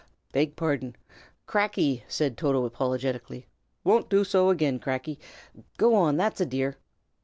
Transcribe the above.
"Beg pardon! Crackey," said Toto, apologetically. "Won't do so again, Crackey; go on, that's a dear!"